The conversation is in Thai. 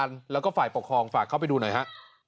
แล้วก็ฝ่ายปกครองฝากเข้าไปดูหน่อยฮะ